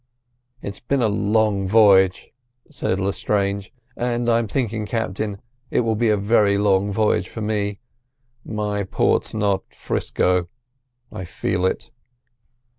"It's been a long voyage," said Lestrange; "and I'm thinking, Captain, it will be a very long voyage for me. My port's not 'Frisco; I feel it."